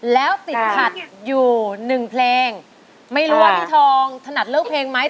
แล้วติดขัดอยู่หนึ่งเพลงไม่รู้ว่าพี่ทองถนัดเลือกเพลงไหม